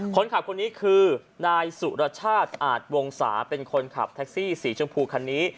คนขับคนนี้คือนายสุรชาติอาจวงศาเป็นคนขับแท็กซี่สีชมพูคันนี้